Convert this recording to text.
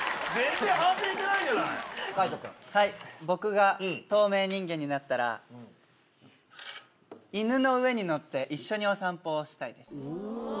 僕が透明人間になったら犬の上に乗って一緒にお散歩をしたいです。